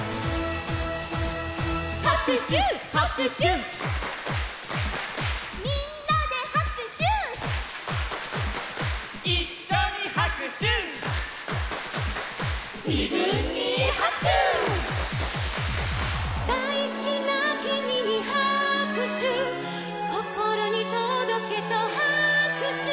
「はくしゅはくしゅ」「みんなではくしゅ」「いっしょにはくしゅ」「じぶんにはくしゅ」「だいすきなキミにはくしゅ」「こころにとどけとはくしゅ」